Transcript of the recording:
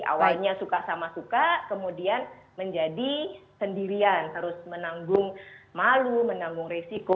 awalnya suka sama suka kemudian menjadi sendirian terus menanggung malu menanggung resiko